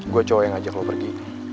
gue cowok yang ajak lo pergi